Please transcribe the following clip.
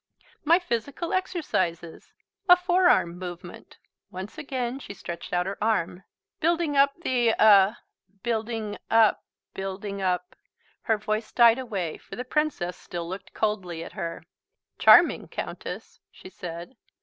"My physical exercises a forearm movement." Once again she stretched out her arm. "Building up the er building up building up " Her voice died away, for the Princess still looked coldly at her. "Charming, Countess," she said.